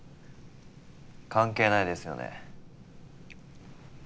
関係ないですよね？